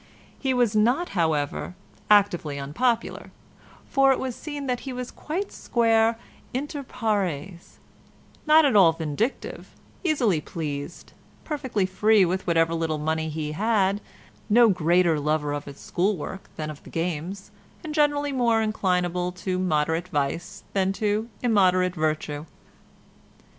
He was not however, actively unpopular, for it was seen that he was quite square inter pares, not at all vindictive, easily pleased, perfectly free with whatever little money he had, no greater lover of his school work than of the games, and generally more inclinable to moderate vice than to immoderate virtue.